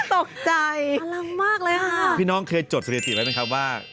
ตกใจพลังมากเลยค่ะพี่น้องเคยจดสถิติแล้วไหมครับว่า